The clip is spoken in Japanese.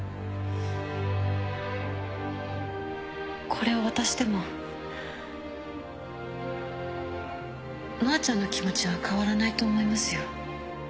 これを渡しても乃愛ちゃんの気持ちは変わらないと思いますよ。